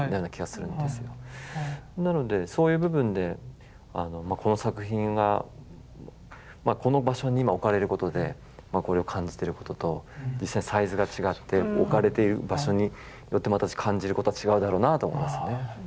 なのでそういう部分でこの作品がこの場所に今置かれることでこれを感じてることと実際サイズが違って置かれている場所によってまた感じることは違うだろうなと思いますね。